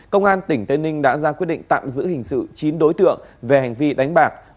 công an tỉnh tây ninh đã ra quyết định tạm giữ hình sự chín đối tượng về hành vi đánh bạc